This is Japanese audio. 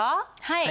はい。